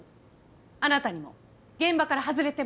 あなたにも現場から外れてもらいます。